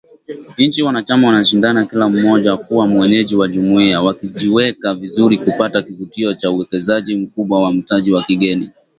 Nchi wanachama wanashindana kila mmoja kuwa mwenyeji wa Jumuiya, wakijiweka vizuri kupata kivutio cha uwekezaji mkubwa wa mtaji wa kigeni.